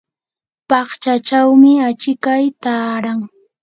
paqchachawmi achikay taaran.